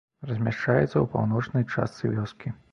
Размяшчаецца ў паўночнай частцы вёскі.